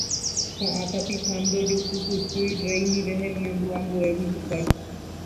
Ko'ã tapicha ndojokupytúi rey ndive hemiandu ambuégui hikuái.